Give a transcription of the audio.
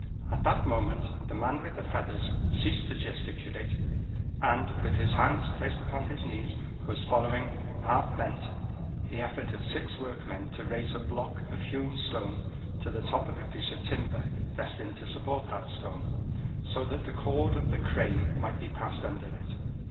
At that moment the man with the feathers ceased to gesticulate, and, with his hands placed upon his knees, was following, half bent, the effort of six workmen to raise a block of hewn stone to the top of a piece of timber destined to support that stone, so that the cord of the crane might be passed under it.